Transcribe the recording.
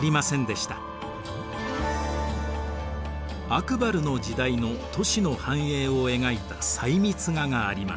アクバルの時代の都市の繁栄を描いた細密画があります。